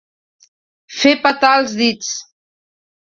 Fer petar els dits.